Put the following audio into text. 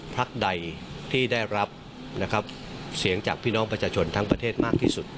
พักใดที่ได้รับนะครับเสียงจากพี่น้องประชาชนทั้งประเทศมากที่สุด